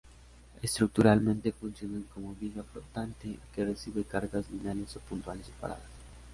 Estructuralmente funcionan como viga flotante que recibe cargas lineales o puntuales separadas.